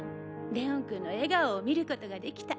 レオンくんの笑顔を見ることができた。